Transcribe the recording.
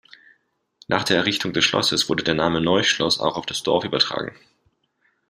Nach der Errichtung des Schlosses wurde der Name "Neuschloß" auch auf das Dorf übertragen.